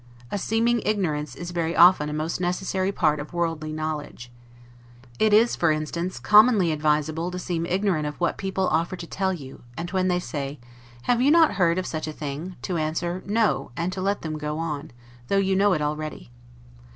A seeming ignorance is very often a most necessary part of worldly knowledge. It is, for instance, commonly advisable to seem ignorant of what people offer to tell you; and when they say, Have you not heard of such a thing? to answer No, and to let them go on; though you know it already.